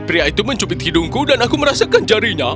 pria itu mencubit hidungku dan aku merasakan jarinya